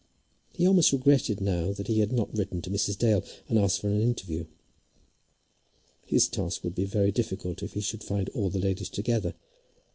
He almost regretted now that he had not written to Mrs. Dale, and asked for an interview. His task would be very difficult if he should find all the ladies together.